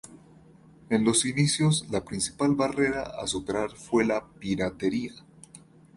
En los inicios, la principal barrera a superar fue la piratería.